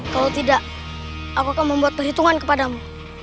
kalau tidak aku akan membuat perhitungan kepadamu